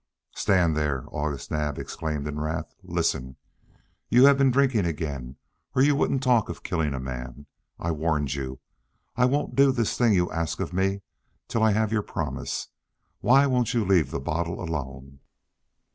"Stand there!" August Naab exclaimed in wrath. "Listen. You have been drinking again or you wouldn't talk of killing a man. I warned you. I won't do this thing you ask of me till I have your promise. Why won't you leave the bottle alone?"